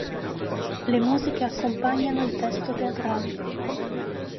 Le musiche accompagnano il testo teatrale.